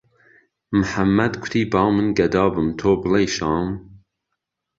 محەممەد کوتی با من گهدا بم تۆ بلێی شام